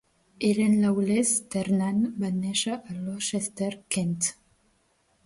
Ellen Lawless Ternan va néixer a Rochester, Kent.